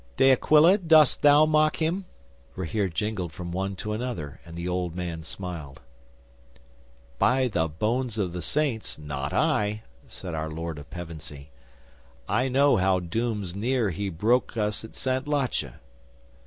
'"De Aquila, does thou mock him?" Rahere jingled from one to another, and the old man smiled. '"By the Bones of the Saints, not I," said our Lord of Pevensey. "I know how dooms near he broke us at Santlache."